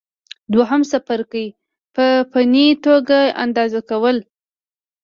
دوهم څپرکی: په فني توګه اندازه کول